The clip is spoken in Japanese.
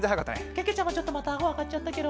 けけちゃまちょっとまたあごあがっちゃったケロ。